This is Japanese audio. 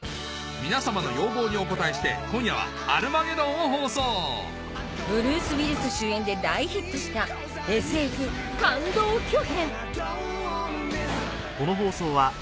皆さまの要望にお応えして今夜は『アルマゲドン』を放送ブルース・ウィリス主演で大ヒットしたＳＦ感動巨編